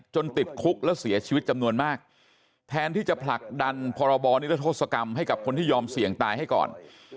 ติดคุกและเสียชีวิตจำนวนมากแทนที่จะผลักดันพรบนิรโทษกรรมให้กับคนที่ยอมเสี่ยงตายให้ก่อน